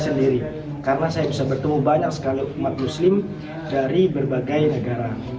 karena saya bisa bertemu banyak sekali umat muslim dari berbagai negara